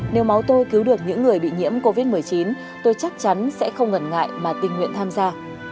nếu máu tôi cứu được những người bị nhiễm covid một mươi chín tôi chắc chắn sẽ không ngẩn ngại mà tình nguyện tham gia